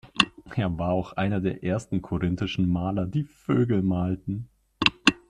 Er war auch einer der ersten korinthischen Maler, die Vögel malten.